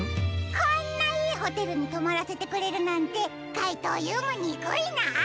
こんないいホテルにとまらせてくれるなんてかいとうＵもにくいな。